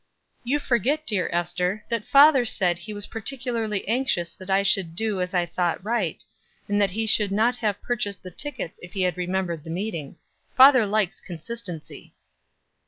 "You forget, dear Ester, that father said he was particularly anxious that I should do as I thought right, and that he should not have purchased the tickets if he had remembered the meeting. Father likes consistency."